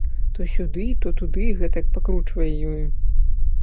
То сюды, то туды гэтак пакручвае ёю.